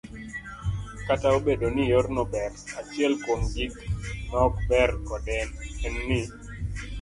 Kata obedo ni yorno ber, achiel kuom gik ma ok ber kode en ni,